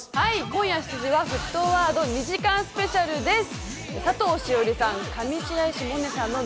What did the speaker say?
今夜７時からは『沸騰ワード』２時間スペシャルです。